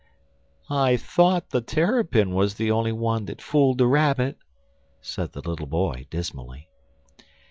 "I thought the Terrapin was the only one that fooled the Rabbit," said the little boy, dismally.